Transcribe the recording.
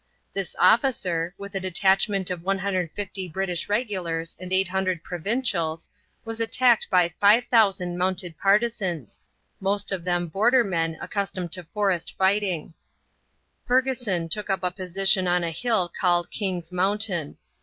This officer, with a detachment of 150 British regulars and 800 provincials, was attacked by 5000 mounted partisans, most of them border men accustomed to forest fighting. Fergusson took up a position on a hill called King's Mountain.